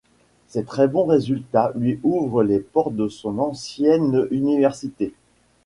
Ces très bons résultats lui ouvrent les portes de son ancienne université.